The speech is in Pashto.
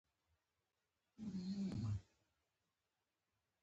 ټولې صنایع په یوه بڼه ملي شوې.